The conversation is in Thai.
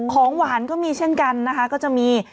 ของหวานก็มีเช่นกันนะคะก็จะมี